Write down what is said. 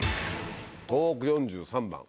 東北４３番。